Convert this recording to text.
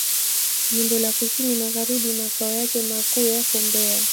Jimbo la Kusini Magharibi Makao yake makuu yako Mbeya.